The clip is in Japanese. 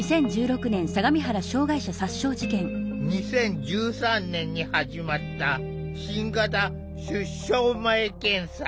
２０１３年に始まった新型出生前検査。